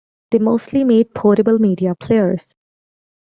They mostly made portable media players.